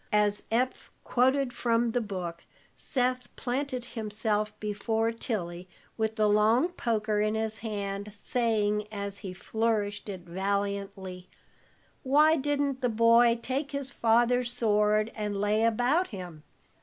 '" As Eph quoted from the book, Seth planted himself before Tilly, with the long poker in his hand, saying, as he flourished it valiantly: "Why didn't the boy take his father's sword and lay about him?